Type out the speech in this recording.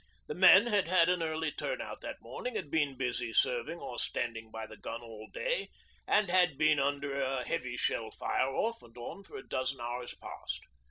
The men had had an early turn out that morning, had been busy serving or standing by the gun all day, and had been under a heavy shell fire off and on for a dozen hours past.